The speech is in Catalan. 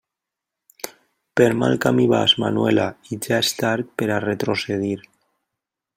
Per mal camí vas, Manuela, i ja és tard per a retrocedir.